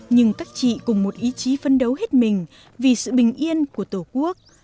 nhưng các chị cùng một ý chí phấn đấu hết mình vì sự bình yên của tổ quốc